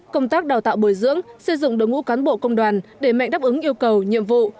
công tác đào tạo bồi dưỡng xây dựng đội ngũ cán bộ công đoàn để mạnh đáp ứng yêu cầu nhiệm vụ